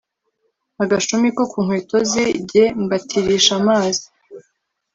agashumi ko ku nkweto ze jye mbatirisha amazi